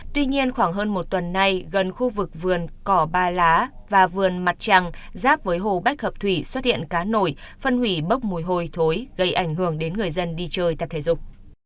tuy nhiên khoảng hơn một tuần nay gần khu vực vườn cỏ ba lá và vườn mặt trăng giáp với hồ bách hợp thủy xuất hiện cá nổi phân hủy bốc mùi hôi thối gây ảnh hưởng đến người dân đi chơi tập thể dục